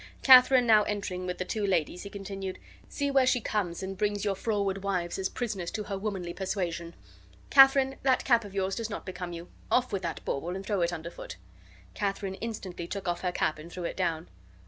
Katharine now entering with the two ladies, he continued: "See where she comes, and brings your froward wives as prisoners to her womanly persuasion. Katharine, that cap of yours does not become you; off with that bauble, and throw it underfoot." Katharine instantly took off her cap and threw it down.